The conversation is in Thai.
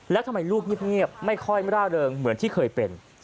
แล้วทำไมลูกเงียบไม่ค่อยร่าเริงเหมือนที่เคยเป็น